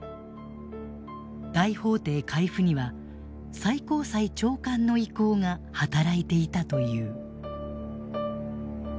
大法廷回付には最高裁長官の意向が働いていたという。